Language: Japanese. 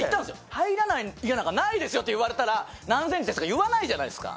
「入らない家なんかないですよ」って言われたら何ｃｍですとか言わないじゃないですか。